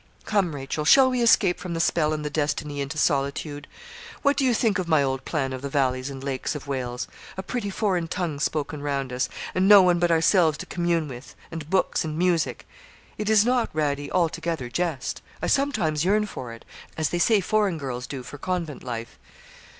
Come, Rachel, shall we escape from the spell and the destiny into solitude? What do you think of my old plan of the valleys and lakes of Wales? a pretty foreign tongue spoken round us, and no one but ourselves to commune with, and books, and music. It is not, Radie, altogether jest. I sometimes yearn for it, as they say foreign girls do for convent life.'